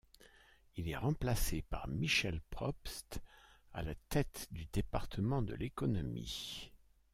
Il est remplacé par Michel Probst à la tête du département de l'économie.